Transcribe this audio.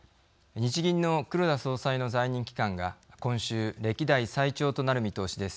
日銀の黒田総裁の在任期間が今週、歴代最長となる見通しです。